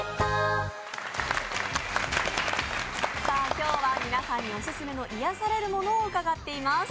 今日は皆さんにオススメの癒やされるものを伺っていきます。